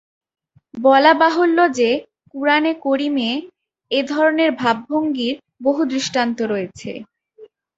বলা বাহুল্য যে, কুরআনে করীমে এ ধরনের ভাবভঙ্গির বহু দৃষ্টান্ত রয়েছে।